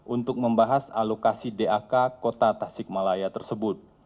untuk membahas alokasi dak kota tasik malaya tersebut